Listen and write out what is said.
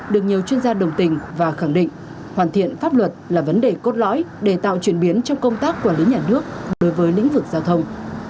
được nhiều chuyên gia đồng tình và khẳng định hoàn thiện pháp luật là vấn đề cốt lõi để tạo chuyển biến trong công tác quản lý nhà nước đối với lĩnh vực giao thông